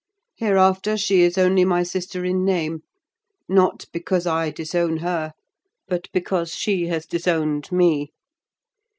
Hereafter she is only my sister in name: not because I disown her, but because she has disowned me."